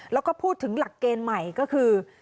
แล้วก็พูดถึงหลักเกณฑ์ใหม่ก็คือ